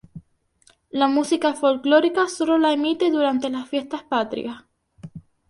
La música folclórica solo la emite durante fiestas patrias.